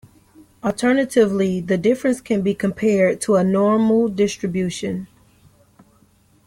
Alternatively, the difference can be compared to a normal distribution.